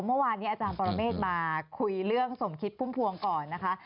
เมื่อวานนี้อาจารย์ปรเมฆมาคุยเรื่องสมคิดพุ่มพวงก่อนนะคะ